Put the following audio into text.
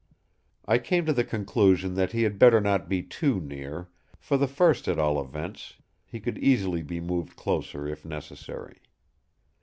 I came to the conclusion that he had better not be too near; for the first at all events, he could easily be moved closer if necessary.